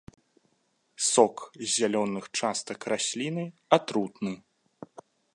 Сок з зялёных частак расліны атрутны.